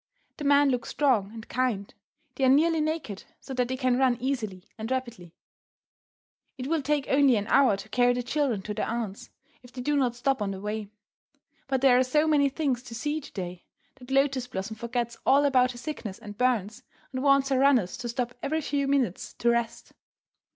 The men look strong and kind. They are nearly naked, so that they can run easily and rapidly. It will take only an hour to carry the children to their aunt's, if they do not stop on the way. But there are so many things to see to day that Lotus Blossom forgets all about her sickness and burns, and wants her runners to stop every few minutes to rest.